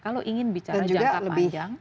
kalau ingin bicara jangka panjang